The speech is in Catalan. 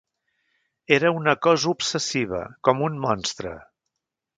Era una cosa obsessiva, com un monstre.